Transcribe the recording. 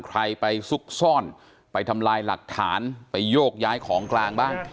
ใครไปซุกซ่อนไปทำลายหลักฐานไปโยกย้ายของกลางบ้าง